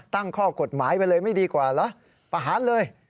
ตั้งข้อกฎหมายไปเลยไม่ดีกว่าเหรอประหารเลย